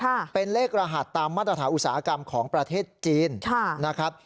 ค่ะเป็นเลขรหัสตามมาตรฐานอุตสาหกรรมของประเทศจีนค่ะนะครับ